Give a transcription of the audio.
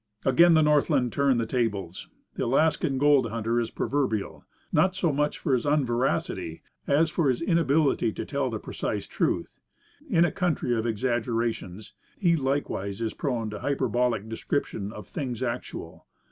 Again the Northland turned the tables. The Alaskan gold hunter is proverbial, not so much for his unveracity, as for his inability to tell the precise truth. In a country of exaggerations, he likewise is prone to hyperbolic description of things actual.